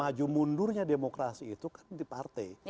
maju mundurnya demokrasi itu kan di partai